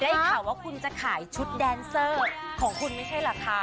อีกข่าวว่าคุณจะขายชุดแดนเซอร์ของคุณไม่ใช่เหรอคะ